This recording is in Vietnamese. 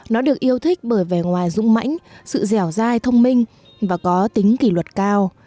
nó được yêu thích bởi vẻ ngoài dũng mãnh sự dẻo dai thông minh và có tính kỷ luật cao